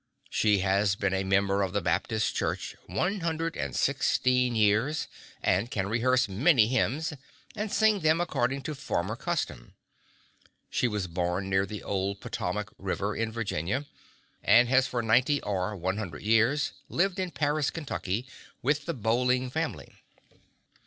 She has been a member of the Baptist Church one hundred and sixteen years, and can rehearse many hymns, and sing them according to former custom. She was born near the old Potomac River in Virginia, and has for ninety or one hundred years lived in Paris, Kentucky, with the Bowling family.